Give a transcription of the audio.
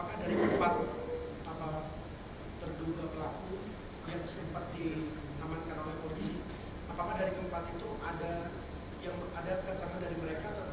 apakah dari keempat itu ada kekerahan dari mereka atau menunjuk yang mengarah ke